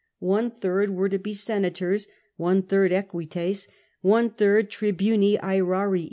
One third were to be senators, one third equites, one third tribuni aerao'ii.